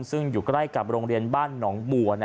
ซึ่งอยู่ใกล้กับโรงเรียนบ้านหนองบัว